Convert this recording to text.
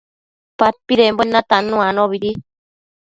padpidembuen natannu anobidi